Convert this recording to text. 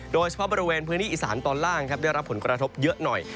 โดยเฉพาะบริเวณพื้นที่อีสานตอนล่างครับได้รับผลกระทบเยอะหน่อย